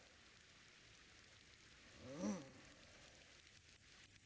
うん。